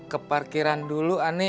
ke parkiran dulu ani